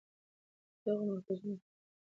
په دغو مرکزونو کې زرګونه کسان روزل شوي وو.